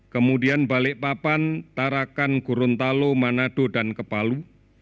kemudian balikpapan tarakan gorontalo manado dan kepalu